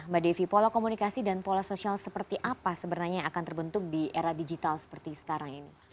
mbak devi pola komunikasi dan pola sosial seperti apa sebenarnya yang akan terbentuk di era digital seperti sekarang ini